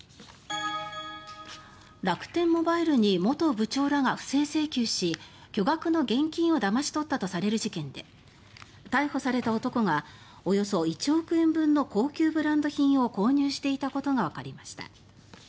楽天モバイルに元部長らが不正請求し巨額の現金をだまし取ったとされる事件で逮捕された男がおよそ１億円分の高級ブランド品を購入していたことがわかりました。